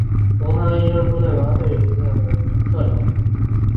冯康医生于拔萃男书院及联合世界书院完成中学及高中课程。